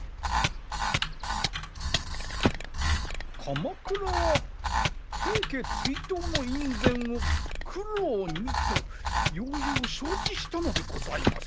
鎌倉は平家追討の院宣を九郎にとようよう承知したのでございますか？